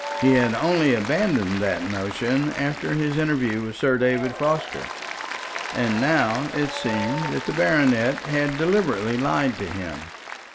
He had only abandoned that notion after his interview with Sir David Forster; and now it seemed that the baronet had deliberately lied to him.